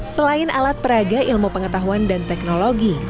selain alat peraga ilmu pengetahuan dan teknologi